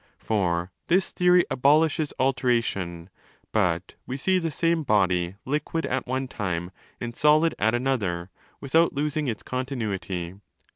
For this theory abolishes 'alteration': but we see the same body "guid at one time and solid at another, without losing its continuity.